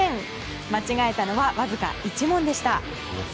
間違えたのはわずか１問でした。